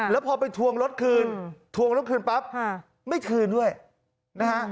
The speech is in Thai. แล้วพอไปทวงรถคืนทวงรถคืนปั๊บไม่คืนด้วยนะฮะ